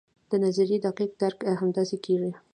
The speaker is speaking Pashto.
د نظریې دقیق درک همداسې کیږي.